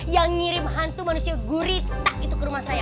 yang ngirim hantu manusia gurita gitu ke rumah saya